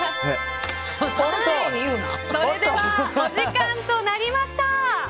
それではお時間となりました。